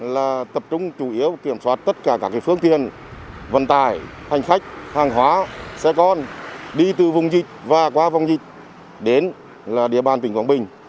là tập trung chủ yếu kiểm soát tất cả các phương tiện vận tải hành khách hàng hóa xe con đi từ vùng dịch và qua vòng dịch đến là địa bàn tỉnh quảng bình